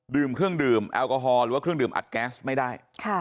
ดื่มเครื่องดื่มแอลกอฮอลหรือว่าเครื่องดื่มอัดแก๊สไม่ได้